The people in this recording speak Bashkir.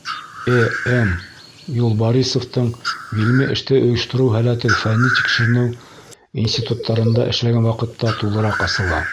Э.М. Юлбарисовтың ғилми эште ойоштороу һәләте фәнни-тикшеренеү институттарында эшләгән ваҡытта тулыраҡ асыла.